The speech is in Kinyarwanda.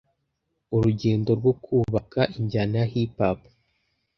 urugendo rwo kubaka injyana ya Hip Hop